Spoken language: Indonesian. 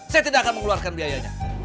saya tidak akan mengeluarkan biayanya